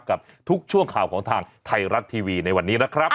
กับทุกช่วงข่าวของทางไทยรัฐทีวีในวันนี้นะครับ